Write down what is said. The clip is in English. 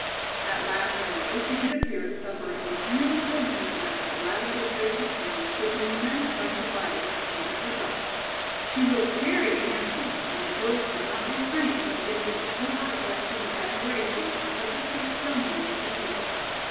At last, however, she did appear at supper in a beautiful dinner dress of lavender crêpe de chine with an immense bunch of violets pinned at her belt. She looked very handsome and the girls could not refrain from giving her covert glances of admiration as she took her seat stonily at the table.